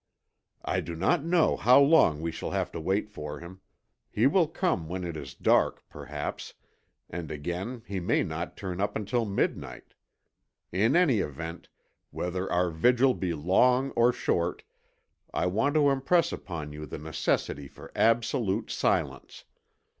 "I do not know how long we shall have to wait for him. He will come when it is dark, perhaps, and again he may not turn up until midnight. In any event, whether our vigil be long or short, I want to impress upon you the necessity for absolute silence.